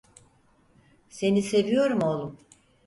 Seni seviyorum oğlum.